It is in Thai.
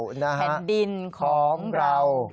แผ่นดินของเรา